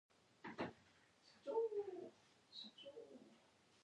It was designed by Flynn Silver, an Australian family company from Kyneton, Victoria.